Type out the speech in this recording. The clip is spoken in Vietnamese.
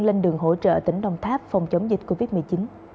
lên đường hỗ trợ tỉnh đồng tháp phòng chống dịch covid một mươi chín